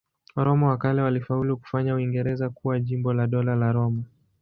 Waroma wa kale walifaulu kufanya Uingereza kuwa jimbo la Dola la Roma.